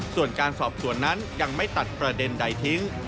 ส่วนการสอบสวนนั้นยังไม่ตัดประเด็นใดทิ้ง